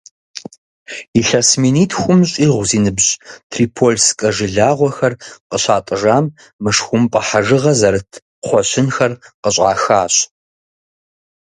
Илъэс минитхум щӏигъу зи ныбжь трипольскэ жылагъуэхэр къыщатӏыжам, мышхумпӏэ хьэжыгъэ зэрыт кхъуэщынхэр къыщӏахащ.